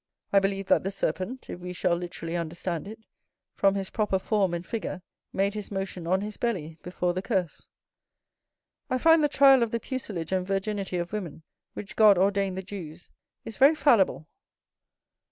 I believe that the serpent (if we shall literally understand it), from his proper form and figure, made his motion on his belly, before the curse. I find the trial of the pucelage and virginity of women, which God ordained the Jews, is very fallible.